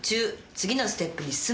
次のステップに進むの。